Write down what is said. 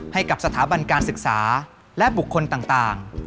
ให้กับสถาบันการศึกษาและบุคคลต่าง